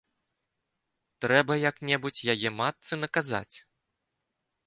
Трэба як-небудзь яе матцы наказаць.